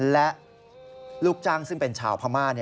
และลูกจ้างซึ่งเป็นชาวพม่า